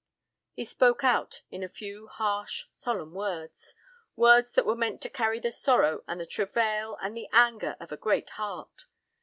He spoke out in a few harsh, solemn words—words that were meant to carry the sorrow and the travail and the anger of a great heart.